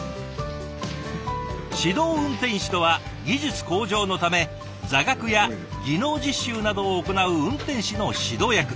指導運転士とは技術向上のため座学や技能実習などを行う運転士の指導役。